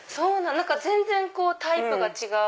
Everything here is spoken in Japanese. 全然タイプが違う。